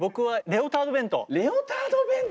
レオタード弁当？